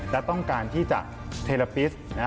และต้องการที่จะเทลาปิส